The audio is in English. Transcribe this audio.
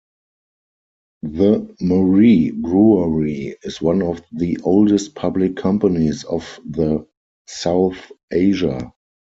The Murree Brewery is one of the oldest public companies of the South Asia.